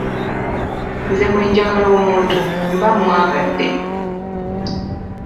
Nze bwe njagala omuntu mba mwagadde.